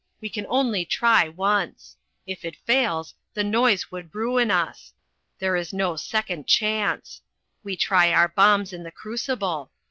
We can only try once. If it fails the noise would ruin us. There is no second chance. We try our bombs in the crucible.